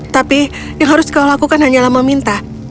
tapi yang harus kau lakukan hanyalah meminta